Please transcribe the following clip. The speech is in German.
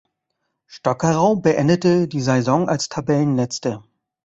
Stockerau beendete die Saison als Tabellenletzter.